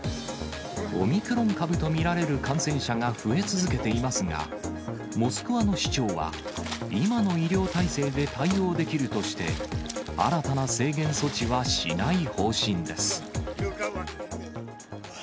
オミクロン株と見られる感染者が増え続けていますが、モスクワの市長は、今の医療体制で対応できるとして、新たな制限措置はしない方針です。